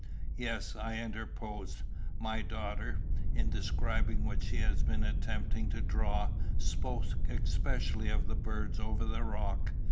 "Yes," I interposed; "my daughter, in describing what she had been attempting to draw, spoke especially of the birds over the rock.